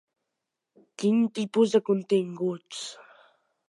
Quin tipus de continguts?